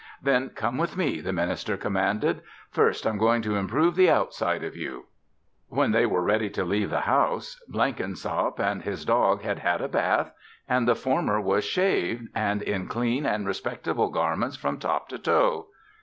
"Then come with me," the minister commanded. "First, I'm going to improve the outside of you." When they were ready to leave the house, Blenkinsop and his dog had had a bath and the former was shaved and in clean and respectable garments from top to toe.